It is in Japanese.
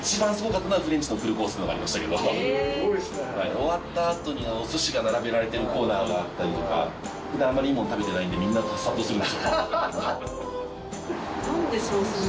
終わった後にお寿司が並べられてるコーナーがあったり普段いいもの食べてないんでみんな殺到するんですよ。